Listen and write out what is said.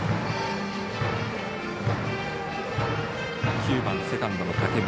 ９番セカンドの竹村。